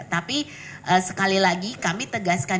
tapi sekali lagi kami tegaskan